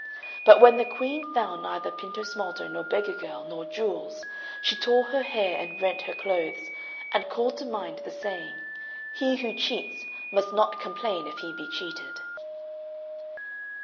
But when the Queen found neither Pintosmalto, nor beggar girl, nor jewels, she tore her hair and rent her clothes, and called to mind the saying "He who cheats must not complain if he be cheated."